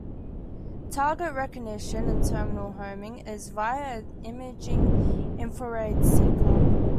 Target recognition and terminal homing is via an imaging infrared seeker.